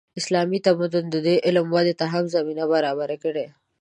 اسلامي تمدن د دې علم ودې ته هم زمینه برابره کړه.